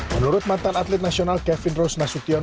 menurut mantan atlet nasional kevin rose nasution